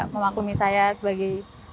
memaklumi saya sebagai